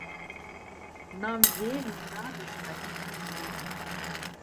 Нам вельмі радасна і прыемна.